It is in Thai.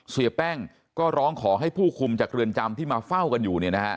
เสียแป้งก็ร้องขอให้ผู้คุมจากเรือนจำที่มาเฝ้ากันอยู่